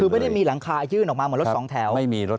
คือไม่ได้มีหลังคายื่นออกมาเหมือนรถสองแถว